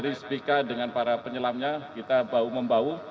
kri spk dengan para penyelamnya kita bau membau